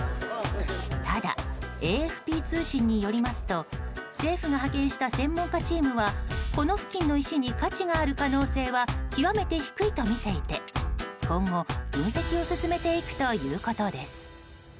ただ、ＡＦＰ通信によりますと政府が派遣した専門家チームはこの付近の石に価値がある可能性は極めて低いとみていて今後、分析を進めていくということです。